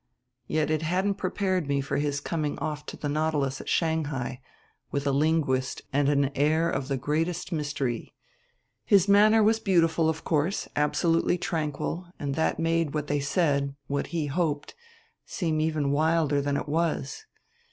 Yet it hadn't prepared me for his coming off to the Nautilus at Shanghai with a linguist and an air of the greatest mystery. His manner was beautiful, of course, absolutely tranquil and that made what they said, what he hoped, seem even wilder than it was.